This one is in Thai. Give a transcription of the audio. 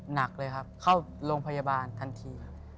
หนักเลยครับเข้าโรงพยาบาลทันทีครับ